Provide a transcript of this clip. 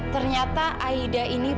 ternyata aida ini bukan anaknya ya